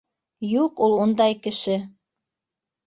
Юҡ ул ундай кеше.